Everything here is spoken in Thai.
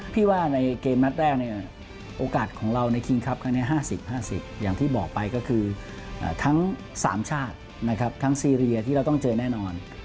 ว่าในเกมนัดแรกเนี่ยโอกาสของเราในคิงคลับครั้งนี้๕๐๕๐อย่างที่บอกไปก็คือทั้ง๓ชาตินะครับทั้งซีเรียที่เราต้องเจอแน่นอน